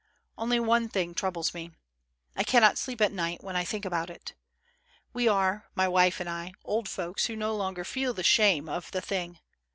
Only one thing troubles me. I cannot sleep at night when I MY NEIGHBOR JACQUES. 809 think about it. We are, my wife and I, old folks who no longer feel the shame of the thing.